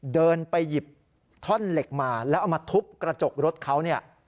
เดินไปหยิบท่อนเหล็กมาแล้วเอามาทุบกระจกรถเขาเนี่ย